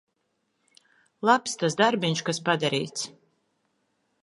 Labs tas darbiņš, kas padarīts.